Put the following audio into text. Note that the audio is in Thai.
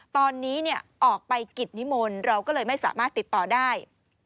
ตอนนี้ออกไปกิจนิมนต์เราก็เลยไม่สามารถติดต่อได้